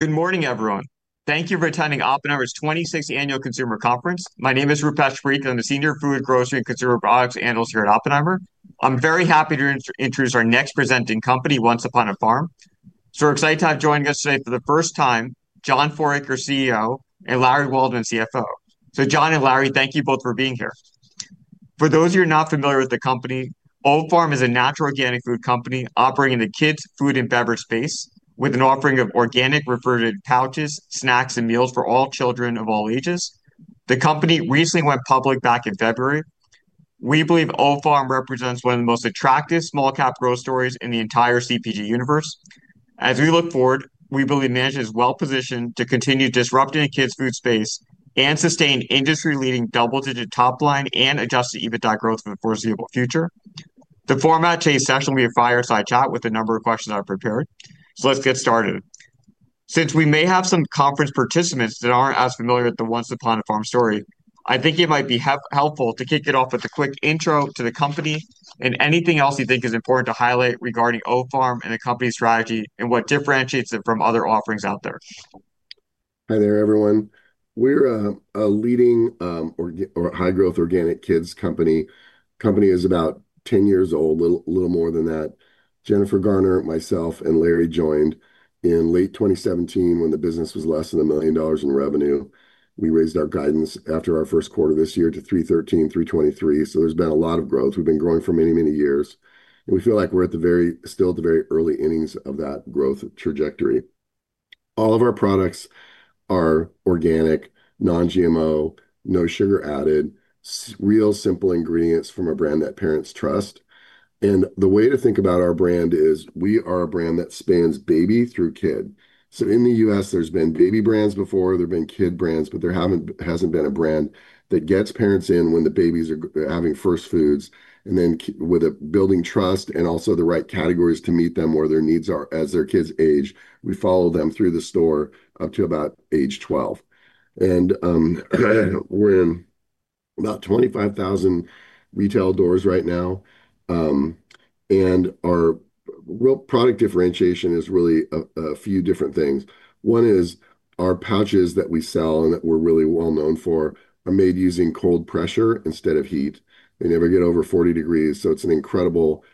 Good morning, everyone. Thank you for attending Oppenheimer's 26th Annual Consumer Conference. My name is Rupesh Parikh, I'm the Senior Food, Grocery, and Consumer Products analyst here at Oppenheimer. I'm very happy to introduce our next presenting company, Once Upon a Farm. We're excited to have joining us today for the first time, John Foraker, CEO, and Larry Waldman, CFO. John and Larry, thank you both for being here. For those of you not familiar with the company, OFarm is a natural organic food company operating in the kids' food and beverage space with an offering of organic refrigerated pouches, snacks, and meals for all children of all ages. The company recently went public back in February. We believe OFarm represents one of the most attractive small-cap growth stories in the entire CPG universe. Looking forward, we believe management is well-positioned to continue disrupting the kids' food space and sustain industry-leading double-digit top-line and adjusted EBITDA growth for the foreseeable future. The format of today's session will be a fireside chat with a number of questions I prepared. Let's get started. Since we may have some conference participants that aren't as familiar with the Once Upon a Farm story, I think it might be helpful to kick it off with a quick intro to the company and anything else you think is important to highlight regarding OFarm and the company strategy and what differentiates it from other offerings out there. Hi there, everyone. We're a leading, or high-growth organic kids company. The company is about 10 years old, a little more than that. Jennifer Garner, myself, and Larry joined in late 2017 when the business was less than $1 million in revenue. We raised our guidance after our first quarter this year to $313 million-$323 million, so there's been a lot of growth. We've been growing for many, many years, and we feel like we're still at the very early innings of that growth trajectory. All of our products are organic, non-GMO, no sugar added, real simple ingredients from a brand that parents trust. The way to think about our brand is we are a brand that spans baby through kid. In the U.S., there's been baby brands before, there've been kid brands, but there hasn't been a brand that gets parents in when the babies are having first foods. Then with building trust and also the right categories to meet them where their needs are as their kids age, we follow them through the store up to about age 12. We're in about 25,000 retail doors right now. Our real product differentiation is really a few different things. One is our pouches that we sell and that we're really well-known for are made using cold pressure instead of heat. They never get over 40 degrees, so it's an incredible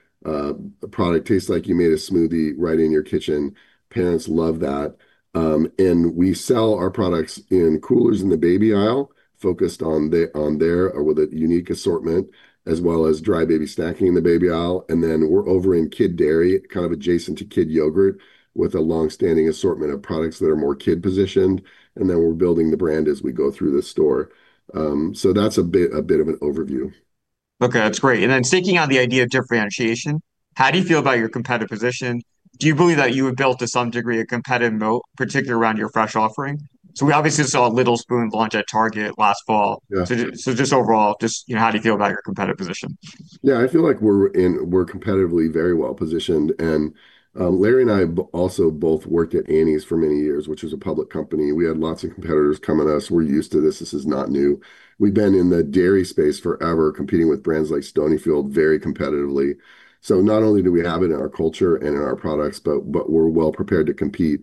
product. Tastes like you made a smoothie right in your kitchen. Parents love that. We sell our products in coolers in the baby aisle, focused on there with a unique assortment, as well as dry baby snacking in the baby aisle. We're over in Kid Dairy, kind of adjacent to kid yogurt, with a long-standing assortment of products that are more kid-positioned. We're building the brand as we go through the store. That's a bit of an overview. Okay, that's great. Sticking on the idea of differentiation, how do you feel about your competitive position? Do you believe that you have built, to some degree, a competitive moat, particularly around your fresh offering? We obviously saw Little Spoon launch at Target last fall. Just overall, just how do you feel about your competitive position? Yeah, I feel like we're competitively very well-positioned. Larry and I have also both worked at Annie's for many years, which was a public company. We had lots of competitors come at us. We're used to this. This is not new. We've been in the dairy space forever, competing with brands like Stonyfield very competitively. Not only do we have it in our culture and in our products, but we're well prepared to compete.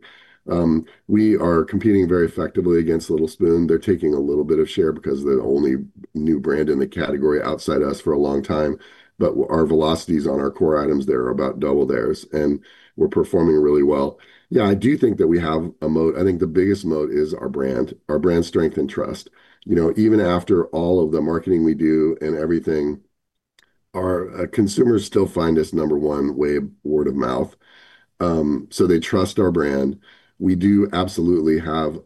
We are competing very effectively against Little Spoon. They're taking a little bit of share because they're the only new brand in the category outside us for a long time. Our velocities on our core items there are about double theirs, and we're performing really well. Yeah, I do think that we have a moat. I think the biggest moat is our brand, our brand strength and trust. Even after all of the marketing we do and everything, our consumers still find us number one way word of mouth, so they trust our brand. We do absolutely have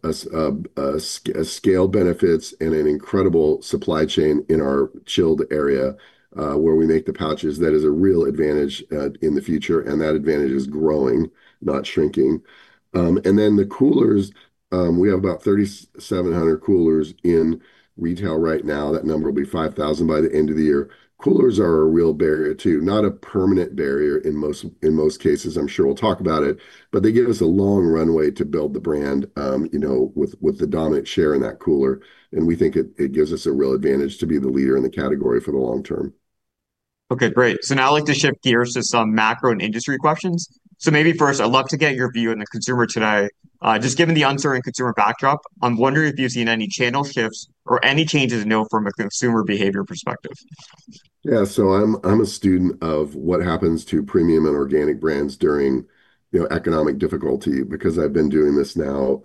scale benefits and an incredible supply chain in our chilled area, where we make the pouches. That is a real advantage in the future, and that advantage is growing, not shrinking. The coolers, we have about 3,700 coolers in retail right now. That number will be 5,000 by the end of the year. Coolers are a real barrier, too. Not a permanent barrier in most cases, I'm sure we'll talk about it, but they give us a long runway to build the brand with the dominant share in that cooler. We think it gives us a real advantage to be the leader in the category for the long term. Okay, great. Now I'd like to shift gears to some macro and industry questions. Maybe first, I'd love to get your view on the consumer today. Just given the uncertain consumer backdrop, I'm wondering if you've seen any channel shifts or any changes to note from a consumer behavior perspective. Yeah. I'm a student of what happens to premium and organic brands during economic difficulty, because I've been doing this now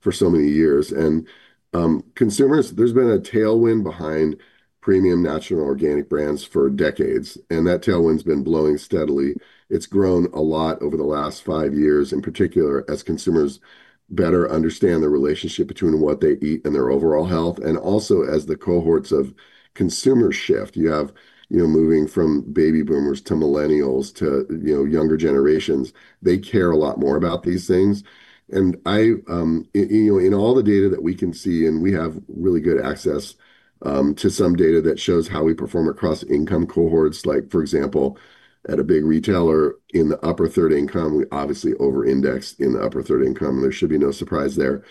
for so many years. Consumers, there's been a tailwind behind premium natural and organic brands for decades, and that tailwind's been blowing steadily. It's grown a lot over the last five years, in particular, as consumers better understand the relationship between what they eat and their overall health. Also as the cohorts of consumer shift, you have moving from baby boomers to millennials, to younger generations. They care a lot more about these things. In all the data that we can see, and we have really good access to some data that shows how we perform across income cohorts. Like for example, at a big retailer in the upper third income, we obviously over-index in the upper third income. There should be no surprise there.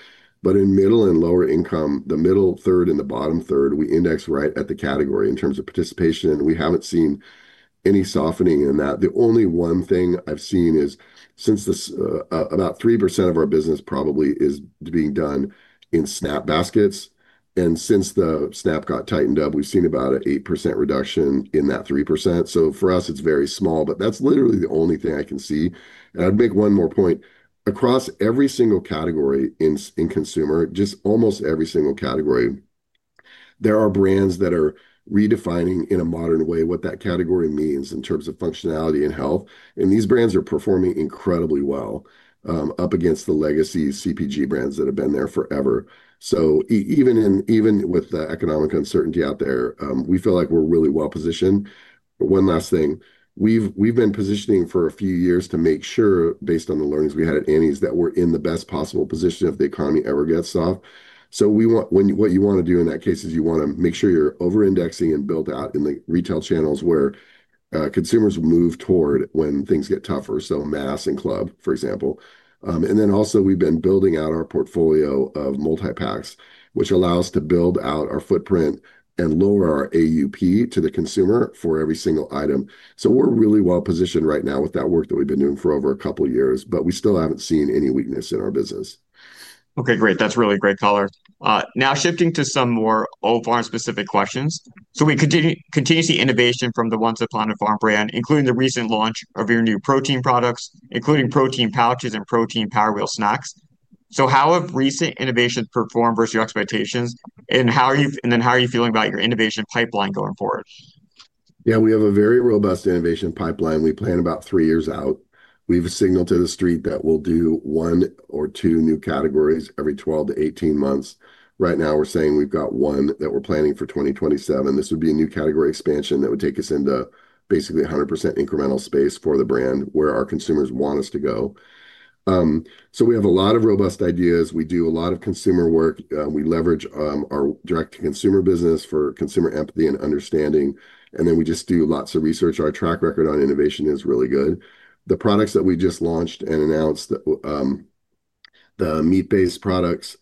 In middle and lower income, the middle third and the bottom third, we index right at the category in terms of participation. We haven't seen any softening in that. The only one thing I've seen is since about 3% of our business probably is being done in SNAP baskets. Since the SNAP got tightened up, we've seen about an 8% reduction in that 3%. For us, it's very small, but that's literally the only thing I can see. I'd make one more point. Across every single category in consumer, just almost every single category. There are brands that are redefining in a modern way what that category means in terms of functionality and health. These brands are performing incredibly well, up against the legacy CPG brands that have been there forever. Even with the economic uncertainty out there, we feel like we're really well-positioned. One last thing. We've been positioning for a few years to make sure, based on the learnings we had at Annie's, that we're in the best possible position if the economy ever gets soft. What you want to do in that case is you want to make sure you're over-indexing and built out in the retail channels where consumers move toward when things get tougher, mass and club, for example. We've been building out our portfolio of multi-packs, which allow us to build out our footprint and lower our AUP to the consumer for every single item. We're really well-positioned right now with that work that we've been doing for over a couple of years, but we still haven't seen any weakness in our business. Okay, great. That's really great color. Now shifting to some more OFarm-specific questions. We continue to see innovation from the Once Upon a Farm brand, including the recent launch of your new protein products, including protein pouches and protein Power Wheels snacks. How have recent innovations performed versus your expectations, and then how are you feeling about your innovation pipeline going forward? We have a very robust innovation pipeline. We plan about three years out. We've signaled to the street that we'll do one or two new categories every 12 to 18 months. Right now, we're saying we've got one that we're planning for 2027. This would be a new category expansion that would take us into basically 100% incremental space for the brand, where our consumers want us to go. We have a lot of robust ideas. We do a lot of consumer work. We leverage our direct-to-consumer business for consumer empathy and understanding, and then we just do lots of research. Our track record on innovation is really good. The products that we just launched and announced, the meat-based products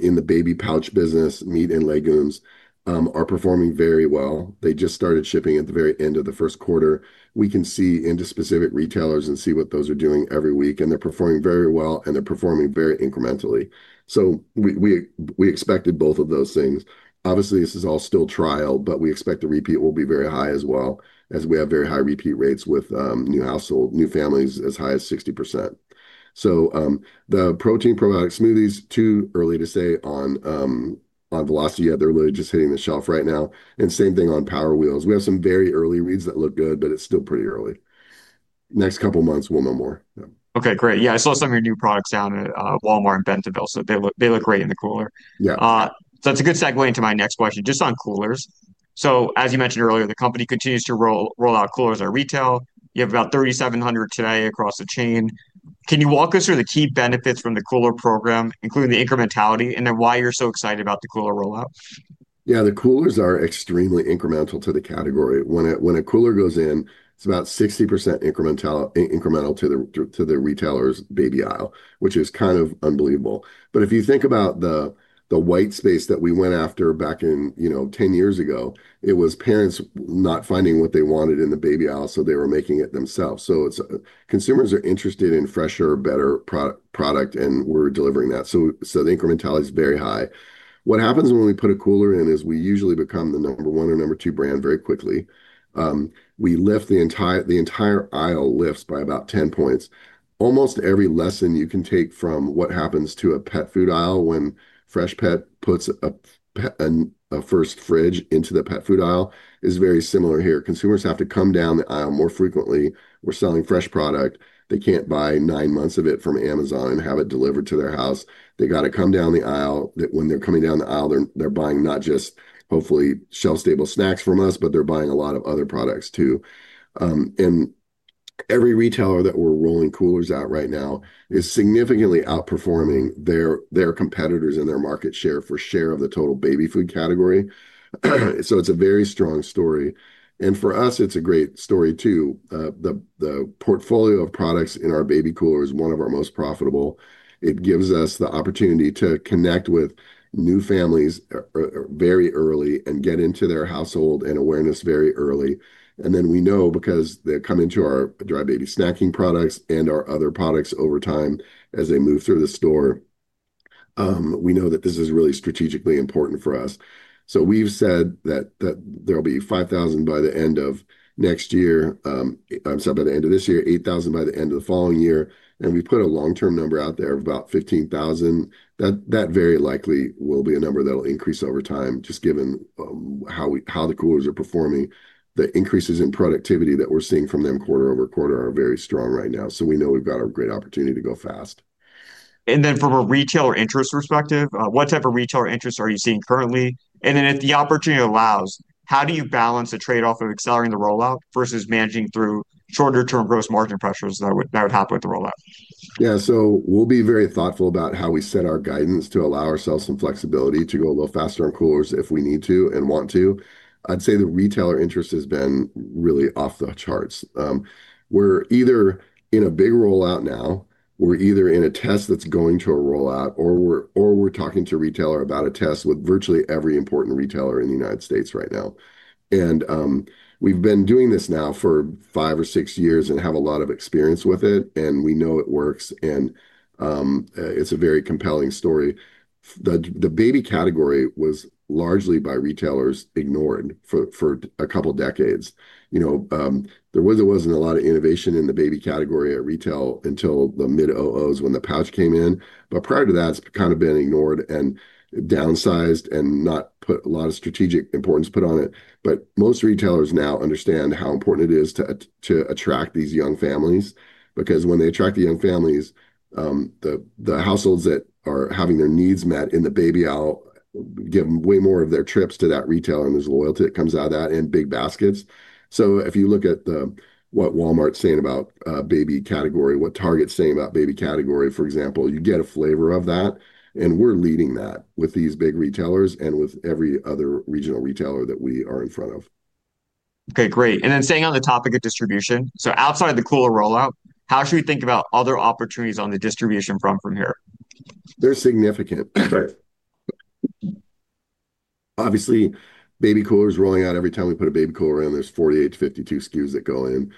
in the baby pouch business, meat and legumes, are performing very well. They just started shipping at the very end of the first quarter. We can see into specific retailers and see what those are doing every week, and they're performing very well, and they're performing very incrementally. We expected both of those things. Obviously, this is all still trial, but we expect the repeat will be very high as well, as we have very high repeat rates with new households, new families, as high as 60%. The protein probiotic smoothies, too early to say on velocity. They're literally just hitting the shelf right now, and same thing on Power Wheels. We have some very early reads that look good, but it's still pretty early. Next couple of months, we'll know more. Okay, great. Yeah, I saw some of your new products down at Walmart in Bentonville, they look great in the cooler. That's a good segue into my next question, just on coolers. As you mentioned earlier, the company continues to roll out coolers at retail. You have about 3,700 today across the chain. Can you walk us through the key benefits from the cooler program, including the incrementality, and then why you're so excited about the cooler rollout? Yeah, the coolers are extremely incremental to the category. When a cooler goes in, it's about 60% incremental to the retailer's baby aisle, which is kind of unbelievable. If you think about the white space that we went after back in 10 years ago, it was parents not finding what they wanted in the baby aisle, they were making it themselves. Consumers are interested in fresher, better product, and we're delivering that. The incrementality is very high. What happens when we put a cooler in, is we usually become the number one or number two brand very quickly. The entire aisle lifts by about 10 points. Almost every lesson you can take from what happens to a pet food aisle when Freshpet puts a first fridge into the pet food aisle is very similar here. Consumers have to come down the aisle more frequently. We're selling fresh product. They can't buy nine months of it from Amazon and have it delivered to their house. They got to come down the aisle. When they're coming down the aisle, they're buying not just, hopefully, shelf-stable snacks from us, but they're buying a lot of other products, too. Every retailer that we're rolling coolers out right now is significantly outperforming their competitors and their market share for share of the total baby food category. It's a very strong story. For us, it's a great story, too. The portfolio of products in our Baby Cooler is one of our most profitable. It gives us the opportunity to connect with new families very early and get into their household and awareness very early. We know because they come into our dry baby snacking products and our other products over time as they move through the store. We know that this is really strategically important for us. We've said that there'll be 5,000 by the end of next year. I'm sorry, by the end of this year, 8,000 by the end of the following year. We put a long-term number out there of about 15,000. That very likely will be a number that'll increase over time, just given how the coolers are performing. The increases in productivity that we're seeing from them quarter-over-quarter are very strong right now. We know we've got a great opportunity to go fast. From a retailer interest perspective, what type of retailer interest are you seeing currently? If the opportunity allows, how do you balance the trade-off of accelerating the rollout versus managing through shorter-term gross margin pressures that would happen with the rollout? We'll be very thoughtful about how we set our guidance to allow ourselves some flexibility to go a little faster on coolers if we need to and want to. I'd say the retailer interest has been really off the charts. We're either in a big rollout now, we're either in a test that's going to a rollout, or we're talking to a retailer about a test with virtually every important retailer in the United States right now. We've been doing this now for five or six years and have a lot of experience with it, and we know it works, and it's a very compelling story. The baby category was largely by retailers ignored for a couple of decades. There wasn't a lot of innovation in the baby category at retail until the mid-00s when the pouch came in. Prior to that, it's kind of been ignored and downsized and not put a lot of strategic importance put on it. Most retailers now understand how important it is to attract these young families. Because when they attract the young families, the households that are having their needs met in the baby aisle give them way more of their trips to that retailer and there's loyalty that comes out of that in big baskets. If you look at what Walmart's saying about baby category, what Target's saying about baby category, for example, you get a flavor of that, we're leading that with these big retailers and with every other regional retailer that we are in front of. Okay, great. Staying on the topic of distribution, outside the cooler rollout, how should we think about other opportunities on the distribution front from here? They're significant. Obviously, Baby Cooler is rolling out. Every time we put a Baby Cooler in, there's 48 to 52 SKUs that go in.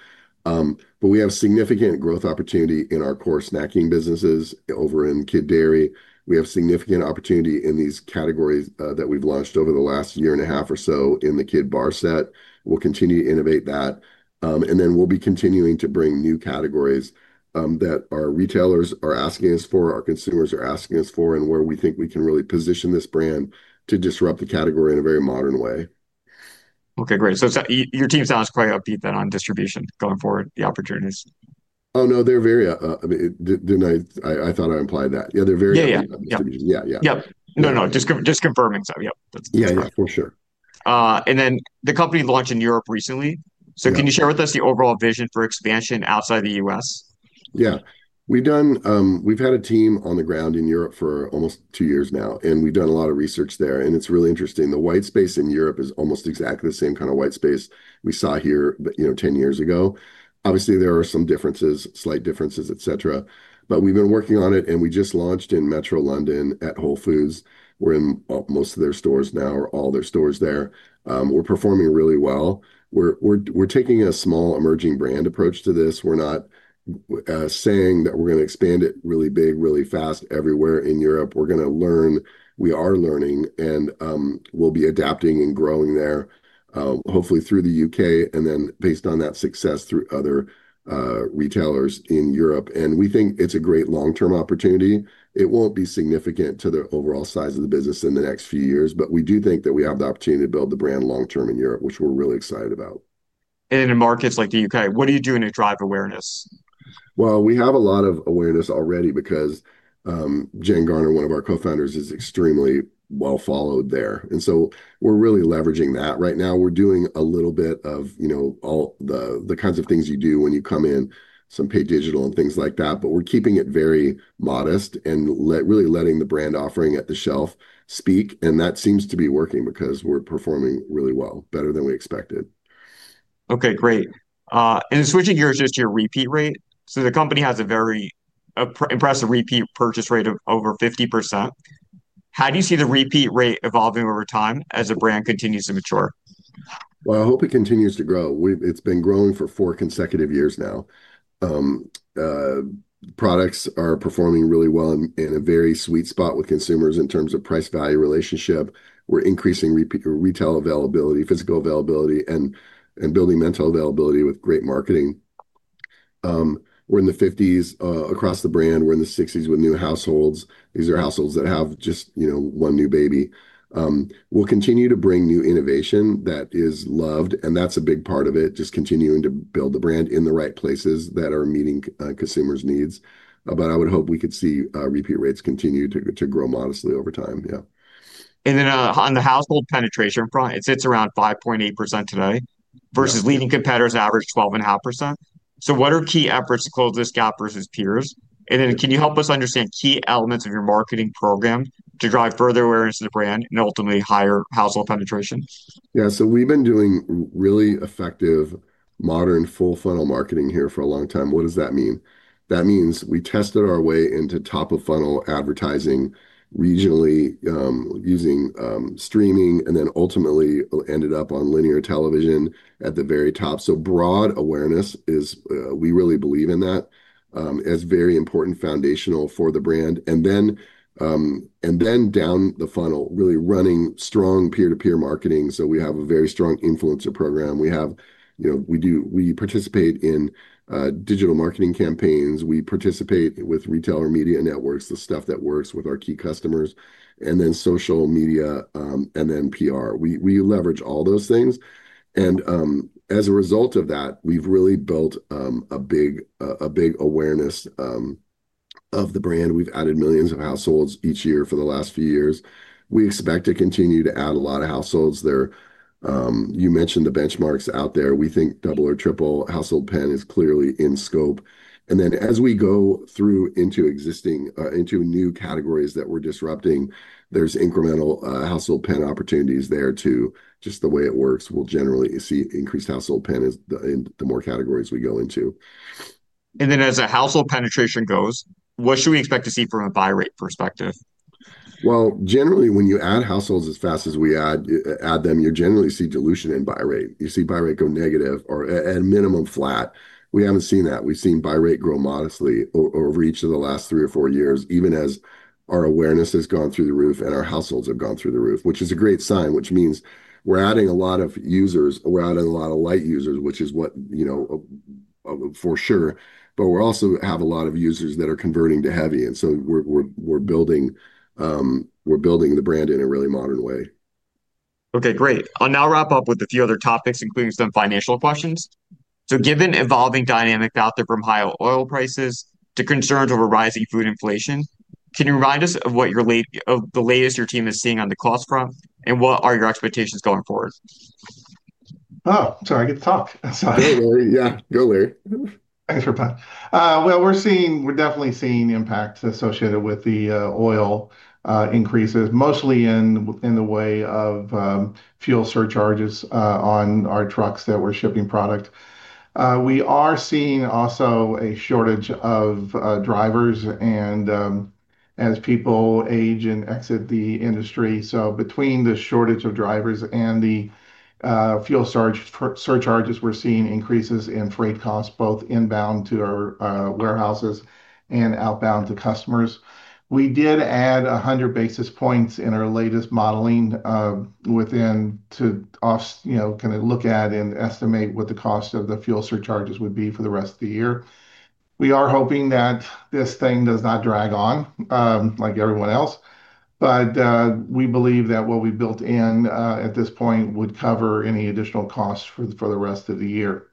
We have significant growth opportunity in our core snacking businesses over in Kid Dairy. We have significant opportunity in these categories that we've launched over the last year and a half or so in the Kid Bar set. We'll continue to innovate that. We'll be continuing to bring new categories that our retailers are asking us for, our consumers are asking us for, and where we think we can really position this brand to disrupt the category in a very modern way. Okay, great. Your team sounds quite upbeat then on distribution going forward, the opportunities. Oh, no, I thought I implied that. Yeah, they're very upbeat on distribution. Yep. No, just confirming. Yep, that's correct. Yeah, for sure. The company launched in Europe recently. Can you share with us the overall vision for expansion outside the U.S.? Yeah. We've had a team on the ground in Europe for almost two years now, and we've done a lot of research there, and it's really interesting. The white space in Europe is almost exactly the same kind of white space we saw here 10 years ago. Obviously, there are some differences, slight differences, et cetera. We've been working on it, and we just launched in metro London at Whole Foods. We're in most of their stores now, or all their stores there. We're performing really well. We're taking a small emerging brand approach to this. We're not saying that we're going to expand it really big, really fast everywhere in Europe. We're going to learn. We are learning and we'll be adapting and growing there, hopefully through the U.K. Then based on that success, through other retailers in Europe. We think it's a great long-term opportunity. It won't be significant to the overall size of the business in the next few years, we do think that we have the opportunity to build the brand long-term in Europe, which we're really excited about. In markets like the U.K., what are you doing to drive awareness? Well, we have a lot of awareness already because Jen Garner, one of our co-founders, is extremely well followed there. We're really leveraging that. Right now, we're doing a little bit of all the kinds of things you do when you come in, some paid digital and things like that, but we're keeping it very modest and really letting the brand offering at the shelf speak. That seems to be working because we're performing really well, better than we expected. Okay, great. Switching gears just to your repeat rate. The company has a very impressive repeat purchase rate of over 50%. How do you see the repeat rate evolving over time as the brand continues to mature? Well, I hope it continues to grow. It's been growing for four consecutive years now. Products are performing really well in a very sweet spot with consumers in terms of price-value relationship. We're increasing retail availability, physical availability, and building mental availability with great marketing. We're in the 50s across the brand. We're in the 60s with new households. These are households that have just one new baby. We'll continue to bring new innovation that is loved, and that's a big part of it, just continuing to build the brand in the right places that are meeting consumers' needs. I would hope we could see repeat rates continue to grow modestly over time, yeah. On the household penetration front, it sits around 5.8% today versus leading competitors average 12.5%. What are key efforts to close this gap versus peers? Can you help us understand key elements of your marketing program to drive further awareness of the brand and ultimately higher household penetration? Yeah. We've been doing really effective modern full funnel marketing here for a long time. What does that mean? That means we tested our way into top of funnel advertising regionally, using streaming, ultimately ended up on linear television at the very top. Broad awareness. We really believe in that as very important foundational for the brand. Down the funnel, really running strong peer-to-peer marketing. We have a very strong influencer program. We participate in digital marketing campaigns. We participate with retailer media networks, the stuff that works with our key customers, social media, PR. We leverage all those things. As a result of that, we've really built a big awareness of the brand. We've added millions of households each year for the last few years. We expect to continue to add a lot of households there. You mentioned the benchmarks out there. We think 2x or 3x household pen is clearly in scope. As we go through into new categories that we're disrupting, there's incremental household pen opportunities there too. Just the way it works, we'll generally see increased household pen the more categories we go into. As the household penetration goes, what should we expect to see from a buy rate perspective? Well, generally, when you add households as fast as we add them, you generally see dilution in buy rate. You see buy rate go negative or at minimum, flat. We haven't seen that. We've seen buy rate grow modestly over each of the last three or four years, even as our awareness has gone through the roof and our households have gone through the roof. Which is a great sign, which means we're adding a lot of users, we're adding a lot of light users, which is what for sure, but we also have a lot of users that are converting to heavy, and so we're building the brand in a really modern way. Okay, great. I'll now wrap up with a few other topics, including some financial questions. Given evolving dynamics out there from high oil prices to concerns over rising food inflation, can you remind us of the latest your team is seeing on the cost front, and what are your expectations going forward? I get to talk. Go, Larry. Yeah. Go, Larry. Thanks, Rupesh. Well, we're definitely seeing impact associated with the oil increases, mostly in the way of fuel surcharges on our trucks that we're shipping product. We are seeing also a shortage of drivers as people age and exit the industry. So between the shortage of drivers and the fuel surcharges, we're seeing increases in freight costs, both inbound to our warehouses and outbound to customers. We did add 100 basis points in our latest modeling to kind of look at and estimate what the cost of the fuel surcharges would be for the rest of the year. We are hoping that this thing does not drag on, like everyone else. But we believe that what we built in at this point would cover any additional costs for the rest of the year.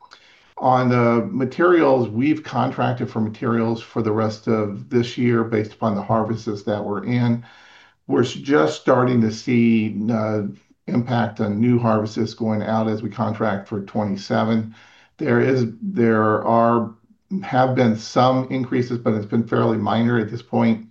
On the materials, we've contracted for materials for the rest of this year based upon the harvests that we're in. We're just starting to see impact on new harvests going out as we contract for 2027. There have been some increases, but it's been fairly minor at this point.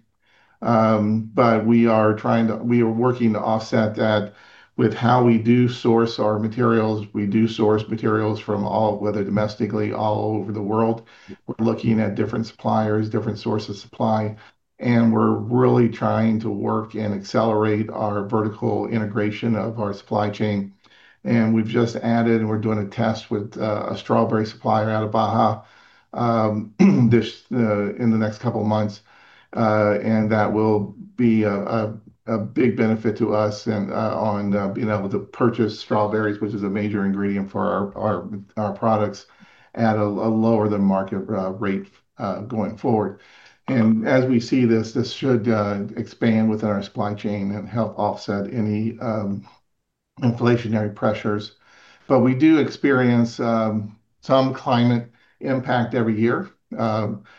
But we are working to offset that with how we do source our materials. We do source materials from all, whether domestically, all over the world. We're looking at different suppliers, different sources of supply, and we're really trying to work and accelerate our vertical integration of our supply chain. We've just added, and we're doing a test with a strawberry supplier out of Baja in the next couple of months. That will be a big benefit to us on being able to purchase strawberries, which is a major ingredient for our products, at a lower-than-market rate going forward. As we see this should expand within our supply chain and help offset any inflationary pressures. But we do experience some climate impact every year, to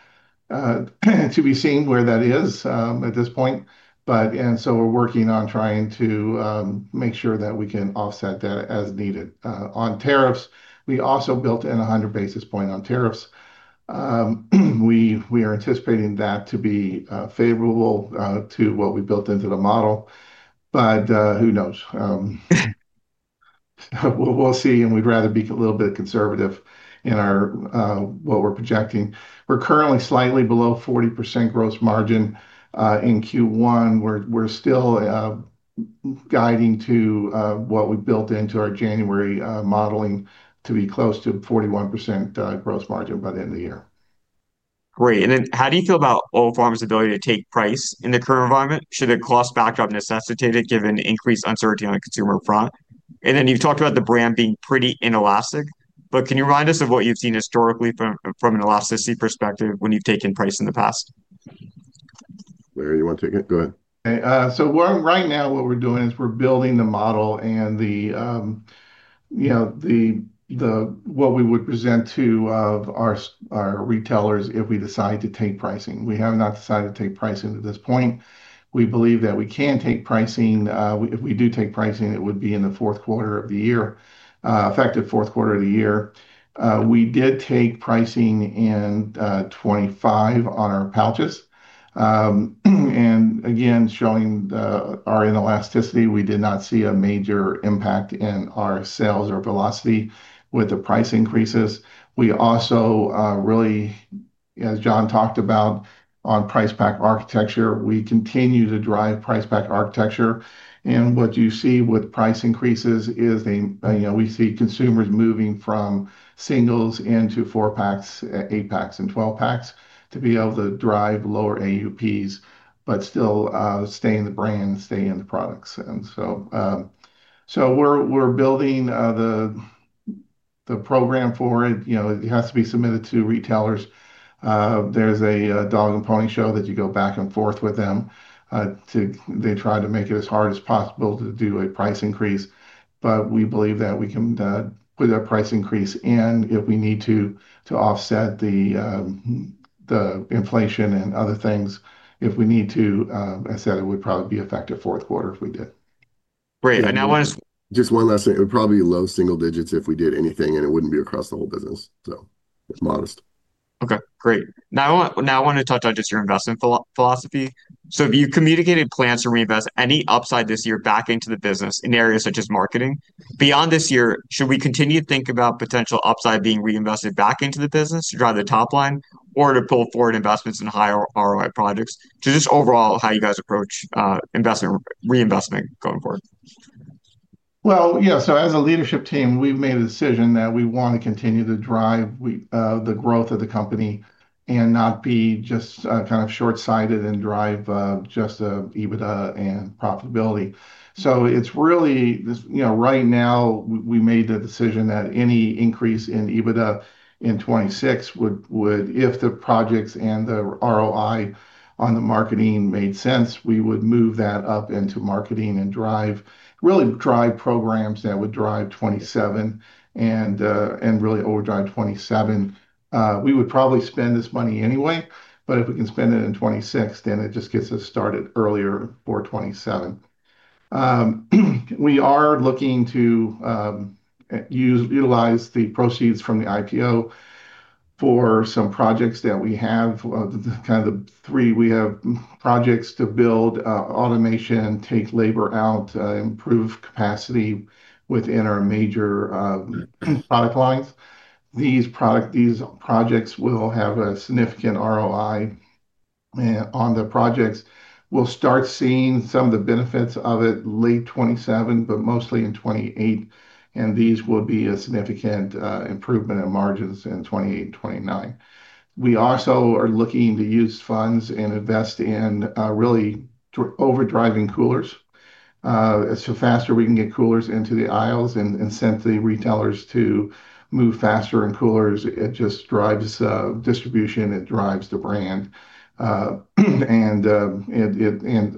be seen where that is at this point. So we're working on trying to make sure that we can offset that as needed. On tariffs, we also built in 100 basis points on tariffs. We are anticipating that to be favorable to what we built into the model. But who knows? We'll see, and we'd rather be a little bit conservative in what we're projecting. We're currently slightly below 40% gross margin. In Q1, we're still guiding to what we built into our January modeling to be close to 41% gross margin by the end of the year. Great. How do you feel about Once Upon a Farm's ability to take price in the current environment? Should a cost backdrop necessitate it given increased uncertainty on the consumer front? You've talked about the brand being pretty inelastic, but can you remind us of what you've seen historically from an elasticity perspective when you've taken price in the past? Larry, you want to take it? Go ahead. Right now, what we're doing is we're building the model and what we would present to our retailers if we decide to take pricing. We have not decided to take pricing at this point. We believe that we can take pricing. If we do take pricing, it would be in the fourth quarter of the year, effective fourth quarter of the year. We did take pricing in 2025 on our pouches. Again, showing our inelasticity, we did not see a major impact in our sales or velocity with the price increases. We also really, as John talked about on price pack architecture, we continue to drive price pack architecture. What you see with price increases is we see consumers moving from singles into four-packs, eight-packs, and 12-packs to be able to drive lower AUPs, but still stay in the brand, stay in the products. We're building the program for it. It has to be submitted to retailers. There's a dog and pony show that you go back and forth with them. They try to make it as hard as possible to do a price increase. We believe that we can put a price increase in if we need to offset the inflation and other things. If we need to, as I said, it would probably be effective fourth quarter if we did. Great. Just one last thing. It would probably be low single digits if we did anything, and it wouldn't be across the whole business. It's modest. Okay, great. Now I want to touch on just your investment philosophy. You've communicated plans to reinvest any upside this year back into the business in areas such as marketing. Beyond this year, should we continue to think about potential upside being reinvested back into the business to drive the top line or to pull forward investments in higher ROI projects, just overall how you guys approach reinvestment going forward? Well, yeah. As a leadership team, we've made a decision that we want to continue to drive the growth of the company and not be just kind of short-sighted and drive just EBITDA and profitability. Right now, we made the decision that any increase in EBITDA in 2026 would, if the projects and the ROI on the marketing made sense, we would move that up into marketing and really drive programs that would drive 2027 and really overdrive 2027. We would probably spend this money anyway, but if we can spend it in 2026, then it just gets us started earlier for 2027. We are looking to utilize the proceeds from the IPO for some projects that we have. We have projects to build automation, take labor out, improve capacity within our major product lines. These projects will have a significant ROI on the projects. We'll start seeing some of the benefits of it late 2027, but mostly in 2028, and these will be a significant improvement in margins in 2028 and 2029. We also are looking to use funds and invest in really over-driving coolers. Faster we can get coolers into the aisles and incent the retailers to move faster in coolers, it just drives distribution, it drives the brand, and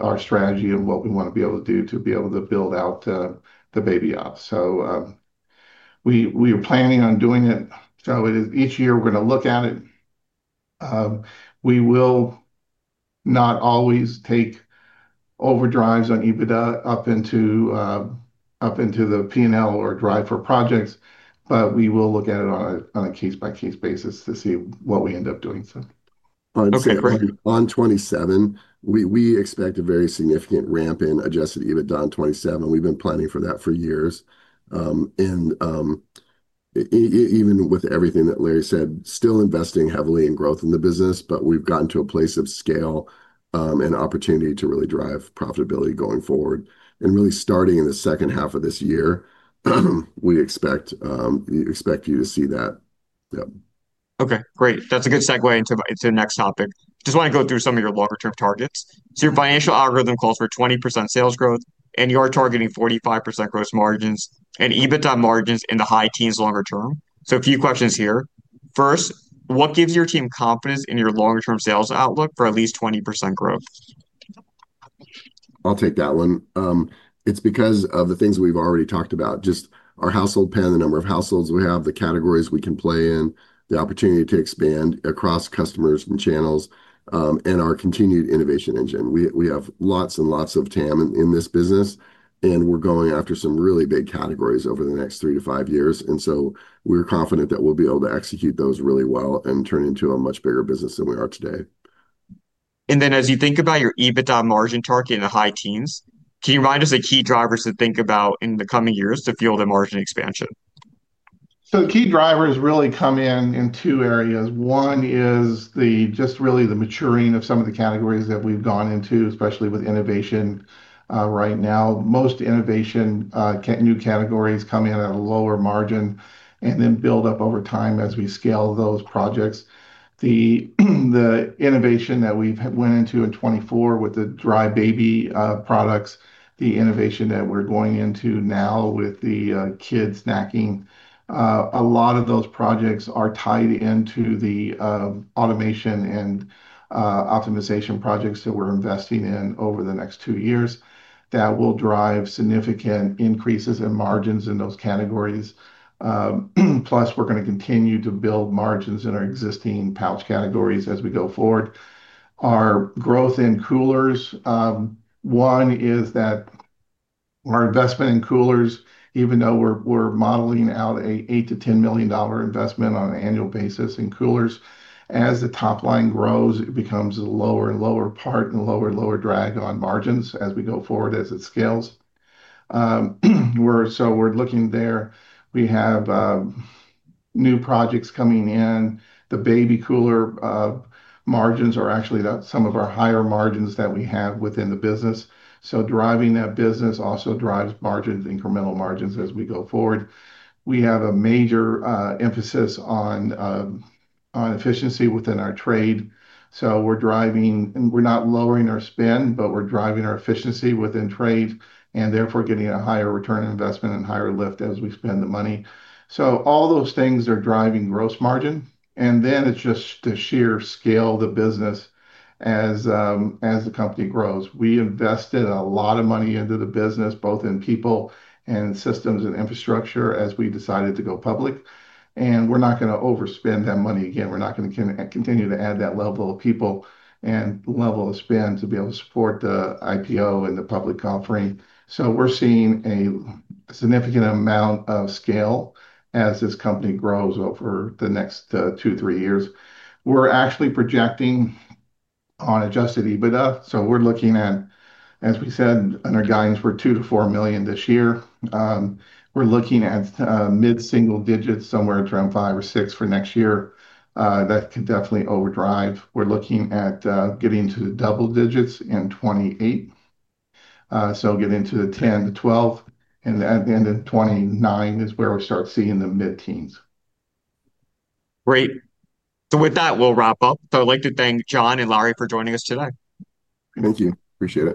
our strategy and what we want to be able to do to be able to build out the baby ops. We are planning on doing it. Each year, we're going to look at it. We will not always take overdrives on EBITDA up into the P&L or drive for projects. We will look at it on a case-by-case basis to see what we end up doing. On 2027, we expect a very significant ramp in adjusted EBITDA in 2027. We've been planning for that for years. And even with everything that Larry said, still investing heavily in growth in the business, but we've gotten to a place of scale, and opportunity to really drive profitability going forward. And really starting in the second half of this year, we expect you to see that. Okay, great. That's a good segue into the next topic. I just want to go through some of your longer-term targets. So your financial algorithm calls for 20% sales growth, and you're targeting 45% gross margins and EBITDA margins in the high teens longer term. First, a few questions here. What gives your team confidence in your longer-term sales outlook for at least 20% growth? I'll take that one. It's because of the things we've already talked about, just our household penetration, the number of households we have, the categories we can play in, the opportunity to expand across customers and channels, and our continued innovation engine. We have lots and lots of TAM in this business, and we're going after some really big categories over the next three to five years. And so we're confident that we'll be able to execute those really well and turn into a much bigger business than we are today. As you think about your EBITDA margin target in the high teens, can you remind us the key drivers to think about in the coming years to fuel the margin expansion? Key drivers really come in in two areas. One is just really the maturing of some of the categories that we've gone into, especially with innovation. Right now, most innovation, new categories come in at a lower margin and then build up over time as we scale those projects. The innovation that we went into in 2024 with the dry baby products, the innovation that we're going into now with the kids snacking, a lot of those projects are tied into the automation and optimization projects that we're investing in over the next two years that will drive significant increases in margins in those categories. We're going to continue to build margins in our existing pouch categories as we go forward. Our growth in coolers, one is that our investment in coolers, even though we're modeling out an $8 million-$10 million investment on an annual basis in coolers, as the top line grows, it becomes a lower and lower part and lower and lower drag on margins as we go forward, as it scales. We're looking there. We have new projects coming in. The Baby Cooler margins are actually some of our higher margins that we have within the business. Driving that business also drives margins, incremental margins, as we go forward. We have a major emphasis on efficiency within our trade. We're not lowering our spend, but we're driving our efficiency within trade, and therefore, getting a higher ROI and higher lift as we spend the money. All those things are driving gross margin, and then it's just the sheer scale of the business as the company grows. We invested a lot of money into the business, both in people and systems and infrastructure, as we decided to go public, and we're not going to overspend that money again. We're not going to continue to add that level of people and level of spend to be able to support the IPO and the public offering. We're seeing a significant amount of scale as this company grows over the next two, three years. We're actually projecting on adjusted EBITDA, we're looking at, as we said, and our guidance for $2 million-$4 million this year. We're looking at mid-single digits, somewhere around five or six for next year. That could definitely overdrive. We're looking at getting to the double digits in 2028, get into the 10-12, and at the end of 2029 is where we start seeing the mid-teens. Great. With that, we'll wrap up. I'd like to thank John and Larry for joining us today. Thank you. Appreciate it.